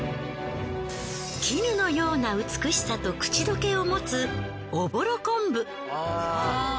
絹のような美しさと口どけを持つおぼろ昆布。